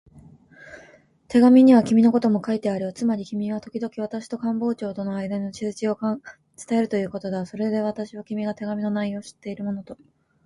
手紙には君のことも書いてあるよ。つまり君はときどき私と官房長とのあいだの通知を伝えるということだ。それで私は、君が手紙の内容を知っているものと